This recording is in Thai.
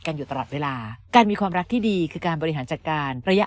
อยู่ตลอดเวลาการมีความรักที่ดีคือการบริหารจัดการระยะ